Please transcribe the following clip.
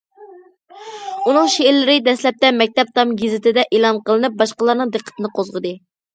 ئۇنىڭ شېئىرلىرى دەسلەپتە مەكتەپ تام گېزىتىدە ئېلان قىلىنىپ، باشقىلارنىڭ دىققىتىنى قوزغىدى.